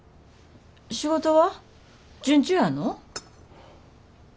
仕事は順調やの？